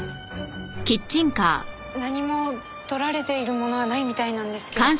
何も盗られているものはないみたいなんですけど。